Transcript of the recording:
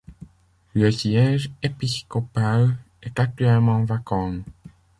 Le siège épiscopal est actuellement vacant.